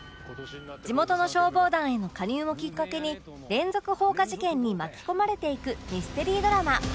地元の消防団への加入をきっかけに連続放火事件に巻き込まれていくミステリードラマ